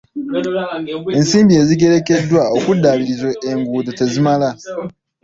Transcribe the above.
Ensimbi ezigerekeddwa okuddaabiriza enguudo tezimala.